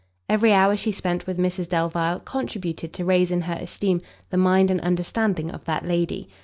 Every hour she spent with Mrs Delvile, contributed to raise in her esteem the mind and understanding of that lady.